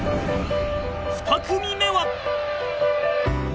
２組目は